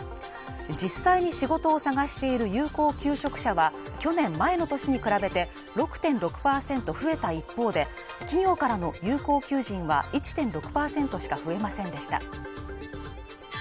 実際に仕事を探している有効求職者は去年前の年に比べて６．６％増えた一方で企業からの有効求人は１．６％しか増えませんでした